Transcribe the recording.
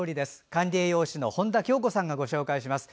管理栄養士の本多京子さんがご紹介します。